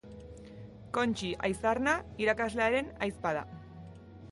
Kontxi Aizarna irakaslearen ahizpa da.